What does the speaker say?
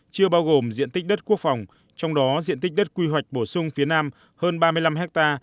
chưa bao gồm diện tích đất quốc phòng trong đó diện tích đất quy hoạch bổ sung phía nam hơn ba mươi năm ha